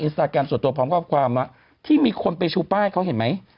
สตาแกรมส่วนตัวพร้อมข้อความว่าที่มีคนไปชูป้ายเขาเห็นไหม